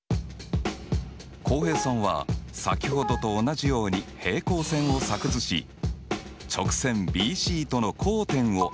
浩平さんは先ほどと同じように平行線を作図し直線ＢＣとの交点をＥとしました。